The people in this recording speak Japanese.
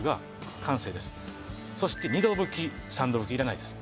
そして２度拭き３度拭きいらないです。